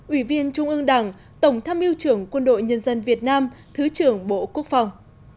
ủy viên trung ương đảng tổng tham mưu trưởng quân đội nhân dân việt nam thứ trưởng bộ quốc phòng